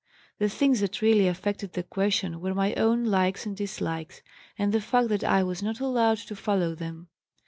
The things that really affected the question were my own likes and dislikes, and the fact that I was not allowed to follow them.